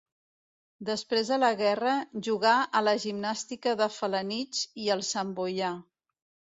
Després de la guerra jugà a la Gimnàstica de Felanitx i al Santboià.